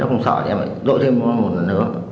nó không sợ thì em lại dội thêm một lần nữa